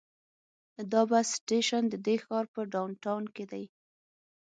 دا بس سټیشن د دې ښار په ډاون ټاون کې دی.